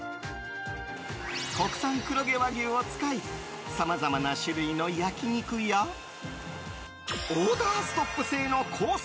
国産黒毛和牛を使いさまざまな種類の焼き肉やオーダーストップ制のコース